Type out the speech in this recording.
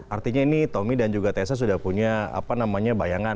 artinya ini tommy dan juga tessa sudah punya bayangan